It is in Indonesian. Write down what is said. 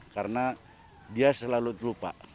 karena dia selalu terlupa